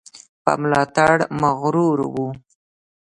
په ملاتړ مغرور وو.